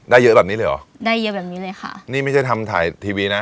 เยอะแบบนี้เลยเหรอได้เยอะแบบนี้เลยค่ะนี่ไม่ใช่ทำถ่ายทีวีนะ